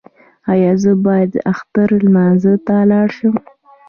ایا زه باید اختر لمانځه ته لاړ شم؟